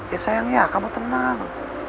ya sayang ya kamu tenang